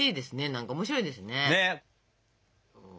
何か面白いですね。